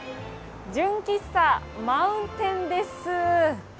純喫茶マウンテンです。